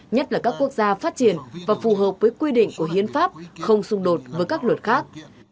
nhất là các quốc gia phát triển và phù hợp với quy định của hiến pháp không xung đột với các luật khác